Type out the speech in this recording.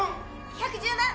２１０万！